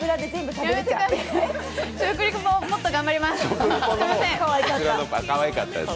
食リポ、もっと頑張ります。